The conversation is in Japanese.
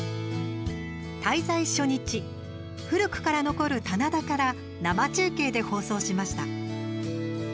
滞在初日、古くから残る棚田から生中継で放送しました。